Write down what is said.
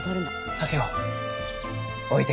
竹雄置いてくぞ。